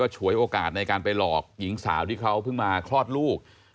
ฉวยโอกาสในการไปหลอกหญิงสาวที่เขาเพิ่งมาคลอดลูก